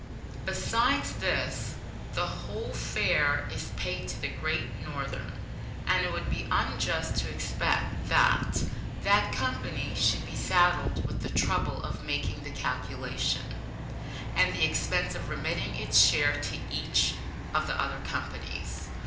Besides this, the whole fare is paid to the Great Northern, and it would be unjust to expect that that company should be saddled with the trouble of making the calculation, and the expense of remitting its share to each of the other companies.